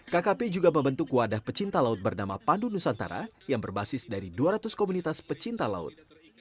kkp juga membentuk wadah pecinta laut bernama pandu nusantara yang berbasis dari dua ratus komunitas pecinta laut